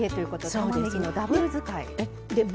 たまねぎのダブル使い。